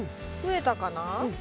増えたかな？